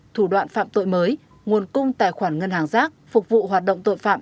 thủ đoạn phạm tội mới nguồn cung tài khoản ngân hàng rác phục vụ hoạt động tội phạm